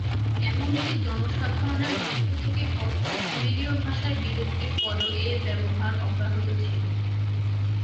এমনকি জনসাধারণের মধ্য থেকে কথ্য সুমেরীয় ভাষার বিলুপ্তির পরেও এই ব্যবহার অব্যাহত ছিল।